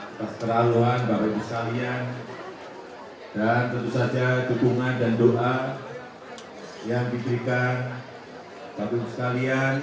atas kelaluan bapak ibu sekalian dan tentu saja dukungan dan doa yang diberikan bapak ibu sekalian